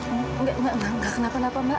enggak enggak mbak kenapa napa mbak